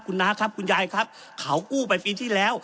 คุณน้าครับคุณยายครับเขากู้ไปปีที่แล้ว